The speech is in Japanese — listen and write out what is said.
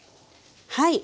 はい。